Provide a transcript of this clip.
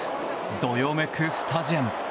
どよめくスタジアム。